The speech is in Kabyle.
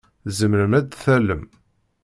Tzemrem ad d-tallem?